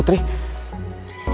tapi karena bagian apaku